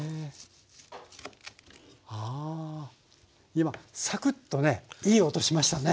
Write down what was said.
今「サクッ」とねいい音しましたね。